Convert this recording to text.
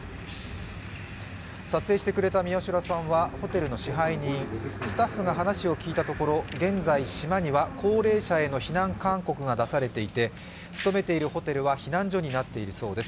撮影してくれた宮代さんはホテルの支配人、スタッフが話を聞いたところ現在島では高齢者への避難勧告が出ていて勤めているホテルは避難所になっているそうです。